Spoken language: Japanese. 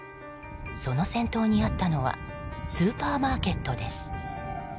その先頭にあったのはスーパーマーケットです。